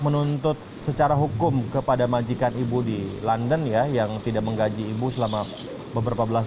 menuntut secara hukum kepada majikan ibu di london ya yang tidak menggaji ibu selama beberapa belas